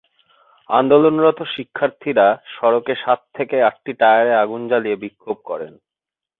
আন্দোলনরত শিক্ষার্থীরা সড়কে সাত থেকে আটটি টায়ারে আগুন জ্বালিয়ে বিক্ষোভ করেন।